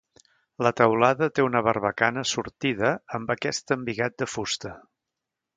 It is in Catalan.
La teulada té una barbacana sortida amb aquest embigat de fusta.